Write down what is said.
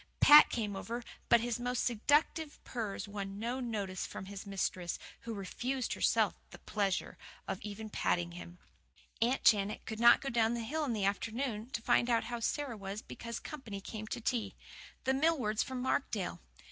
Pat came over, but his most seductive purrs won no notice from his mistress, who refused herself the pleasure of even patting him. Aunt Janet could not go down the hill in the afternoon to find out how Sara was because company came to tea the Millwards from Markdale.